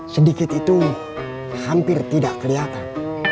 sedikit itu hampir tidak kelihatan